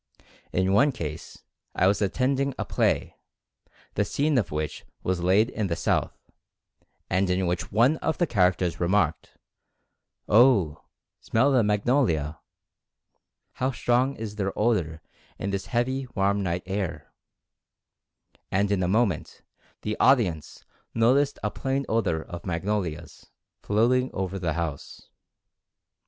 In one case, I was attending a play, the scene of which was laid in the south, and in which one of the characters remarked "Oh, smell the magnolias — how strong is their odor in this heavy, warm night air," and in a moment the audience noticed a plain odor of magnolias floating ii4 Mental Fascination over the house.